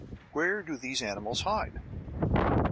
Where do these animals hide? 4.